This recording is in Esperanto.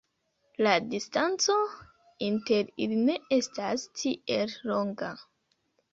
La distanco inter ili ne estas tiel longa.